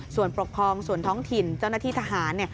ส่วนปกครองส่วนท้องถิ่นเจ้าหน้าที่ทหาร